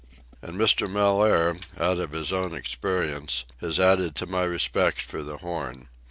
And Mr. Mellaire, out of his own experience, has added to my respect for the Horn.